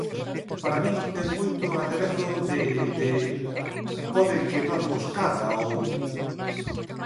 Para min ten moito aderezo de, de... pode que noz moscada, ou...